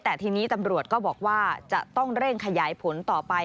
แต่ทีนี้ตำรวจก็บอกว่าจะต้องเร่งขยายผลต่อไป